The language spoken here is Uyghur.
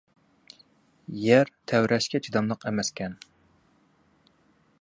يەر تەۋرەشكە چىداملىق ئەمەسكەن.